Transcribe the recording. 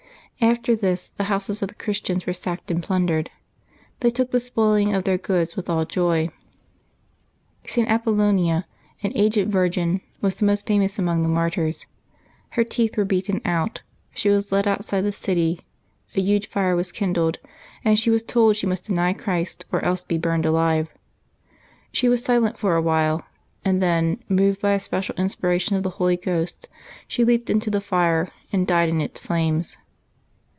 After this the houses of the Christians were sacked and plundered. They took the spoiling of their goods with all joy. St. Apollonia, an aged virgin, was the most famous among the martyrs. Her teeth were beaten out; she was led outside the city, a huge fire was kindled, and she was toM she must deny Christ, or else be burned alive. She Februaby 10] LIVES OF THE SAINTS 69 was silent for a while, and then, moved by a special in spiration of the Holy Ghost, she leaped into the fire and died in its flames.